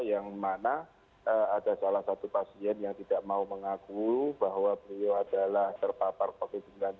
yang mana ada salah satu pasien yang tidak mau mengaku bahwa beliau adalah terpapar covid sembilan belas